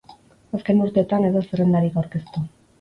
Azken urteetan ez da zerrendarik aurkeztu.